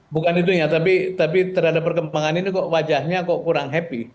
bukan itunya tapi terhadap perkembangan ini kok wajahnya kok kurang happy